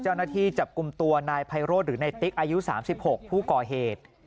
เจ้าหน้าที่จับกลุ่มตัวนายไพโรธหรือนายติ๊กอายุ๓๖ผู้ก่อเหตุ